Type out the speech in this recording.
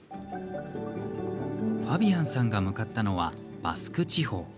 ファビアンさんが向かったのはバスク地方。